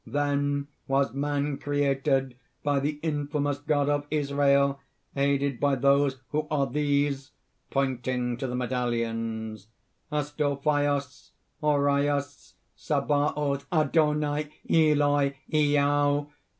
"Then was Man created by the infamous God of Israel, aided by those who are these (pointing to the medallions) Astophaios, Oraios, Sabaoth, Adonai, Eloi, Iao!